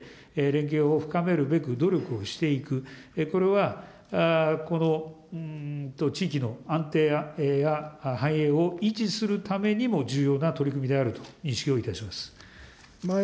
おっしゃるように、関係国との間において、連携を深めるべく、努力をしていく、これは地域の安定や繁栄を維持するためにも重要な取り組みであると認識をいたします。